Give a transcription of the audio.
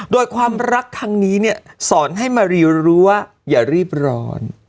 โดยความรักครั้งนี้เนี่ยสอนให้มารีรู้ว่าอย่ารีบร้อน